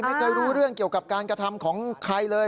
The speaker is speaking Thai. ไม่เคยรู้เรื่องเกี่ยวกับการกระทำของใครเลย